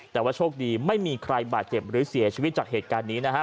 แต่ว่าโชคดีไม่มีใครบาดเจ็บหรือเสียชีวิตจากเหตุการณ์นี้นะฮะ